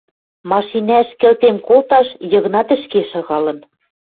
Машинӓш кӹлтем колташ Йыгнат ӹшке шагалын.